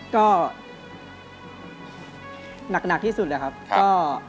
ก็หนักที่สุดเลยครับก็